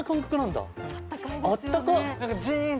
あったかっ！